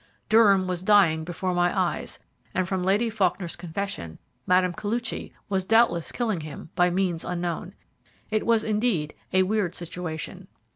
Durham was dying before my eyes, and from Lady Faulkner's confession, Mme. Koluchy was doubtless killing him by means unknown. It was, indeed, a weird situation.